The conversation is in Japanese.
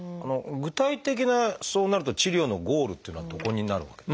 具体的なそうなると治療のゴールっていうのはどこになるわけで？